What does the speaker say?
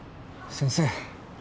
先生